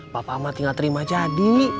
bapak mati nggak terima jadi